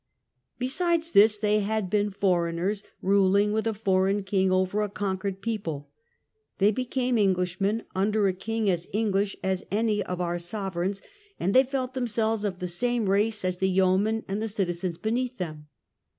Be sides this they had been foreigners, ruling with a foreign king over a conquered people; they became Englishmen, under a king as English as any of our sovereigns, and I06 CHURCH AND PEOPLE. they felt themselves of the same race as the yeomen and the citizens beneath them.